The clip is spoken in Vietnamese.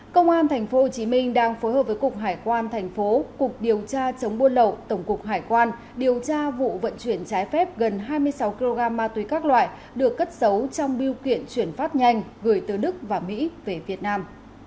công an tp hcm đang phối hợp với cục hải quan thành phố cục điều tra chống buôn lậu tổng cục hải quan điều tra vụ vận chuyển trái phép gần hai mươi sáu kg ma túy các loại được cất giấu trong biêu kiện chuyển phát nhanh gửi từ đức và mỹ về việt nam